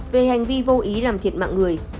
về hành vi vô ý làm thiệt mạng người